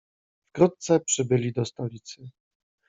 "Wkrótce przybyli do stolicy."